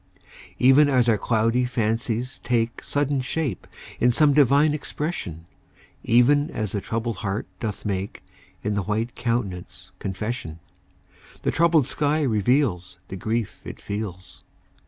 Even as our cloudy fancies take Suddenly shape in some divine expression, Even as the troubled heart doth make In the white countenance confession, The troubled sky reveals The grief it feels.